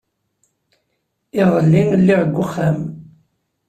Iḍelli, lliɣ deg uxxam.